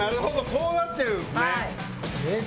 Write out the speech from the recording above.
こうなってるんですね。